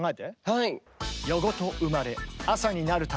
はい。